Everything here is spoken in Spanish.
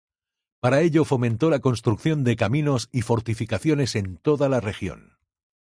Para ello fomentó la construcción de caminos y fortificaciones en toda la región.